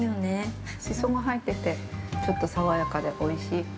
しそも入っててちょっと爽やかでおいしい。